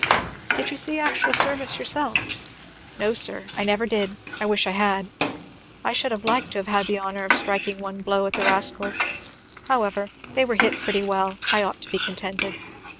"Did you see actual service yourself?" "No sir I never did. I wish I had. I should like to have had the honour of striking one blow at the rascals. However they were hit pretty well. I ought to be contented.